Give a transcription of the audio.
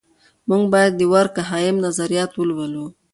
موږ باید د دورکهایم نظریات ولولو.